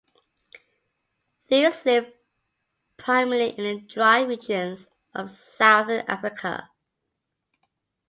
These live primarily in the dry regions of southern Africa.